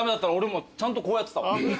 もうちゃんとこうやってた。